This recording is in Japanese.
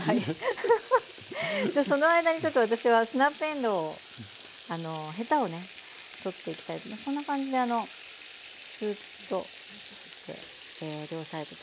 じゃあその間にちょっと私はスナップえんどうをあのヘタをね取っていきたいとこんな感じでスーッと両サイド取って下さい。